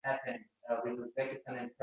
Men sekin qo’ng’iroq qildim, shu zahot